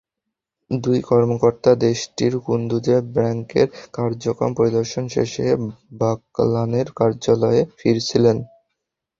দুই কর্মকর্তা দেশটির কুন্দুজে ব্র্যাকের কার্যক্রম পরিদর্শন শেষে বাগলানের কার্যালয়ে ফিরছিলেন।